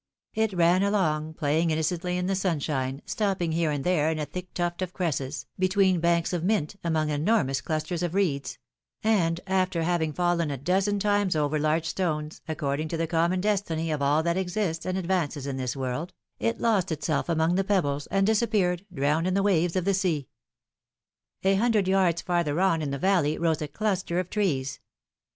It ran along, playing innocently in the sunshine, stopping here and there in a thick tuft of cresses, between banks of mint, among enormous clusters of r^eds; and, after having fallen a dozen times over large stones, according to the common destiny of all that exists and advances in this world, it lost itself among the pebbles, and disappeared, drowned in the waves of the sea. A hundred yards farther on in the valley rose a cluster of trees.